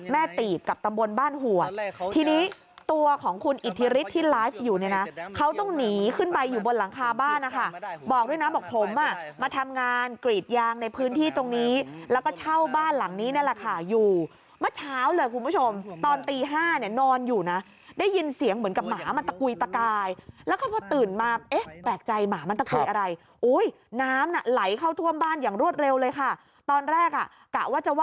แม่ตีบกับตำวนบ้านหัวทีนี้ตัวของคุณอิทธิฤทธิ์ที่ร้ายอยู่เนี้ยนะเขาต้องหนีขึ้นไปอยู่บนหลังคาบ้านนะคะบอกด้วยนะบอกผมอ่ะมาทำงานกรีดยางในพื้นที่ตรงนี้แล้วก็เช่าบ้านหลังนี้นั่นแหละค่ะอยู่เมื่อเช้าเลยคุณผู้ชมตอนตีห้าเนี้ยนอนอยู่น่ะได้ยินเสียงเหมือนกับหมามันตะกุยตะกายแล้วก็พอต